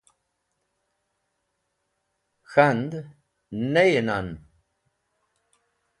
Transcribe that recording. K̃hand: Ney nan.